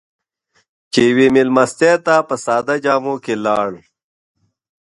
چې يوې مېلمستیا ته په ساده جامو کې لاړ.